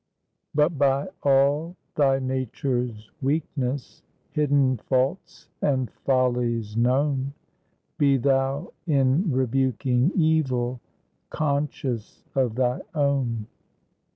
"But by all thy nature's weakness, Hidden faults and follies known, Be thou in rebuking evil, Conscious of thy own."